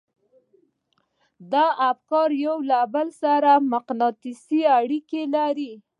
دا افکار له يو بل سره مقناطيسي اړيکې لري.